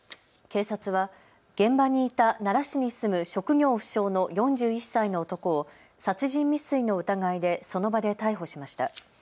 警察は現場にいた奈良市に住む職業不詳の４１歳の男を殺人未遂の疑いでその場で逮捕しました。